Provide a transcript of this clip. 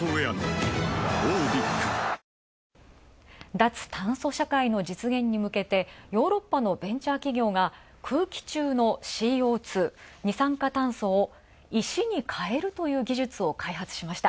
脱・炭素社会の実現に向けてヨーロッパのベンチャー企業が空気中のＣＯ２＝二酸化炭素を石に変えるという技術を開発しました。